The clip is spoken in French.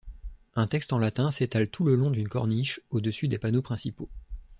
Un texte en latin s'étale tout le long d'une corniche au-dessus des panneaux principaux.